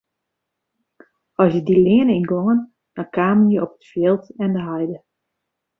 As je dy leane yngongen dan kamen je op it fjild en de heide.